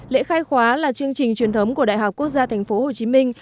lễ khai khóa là chương trình truyền thống của đại học quốc gia thành phố hồ chí minh